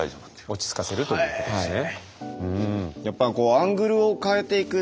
落ち着かせるということですね。